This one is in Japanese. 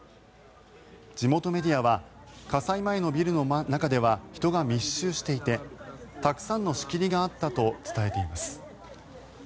地元メディアは火災前のビルの中では人が密集していてたくさんの仕切りがあったと伝えています。